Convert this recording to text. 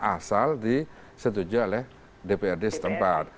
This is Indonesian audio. asal disetujui oleh dprd setempat